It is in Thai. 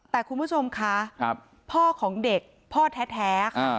แต่คุณผู้ชมค่ะพ่อของเด็กพ่อแท้ค่ะ